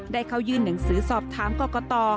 ได้เข้ายื่นหนังสือสอบถามกรกต